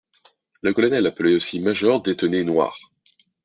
Le colonel, appelé aussi major, détenait noirs.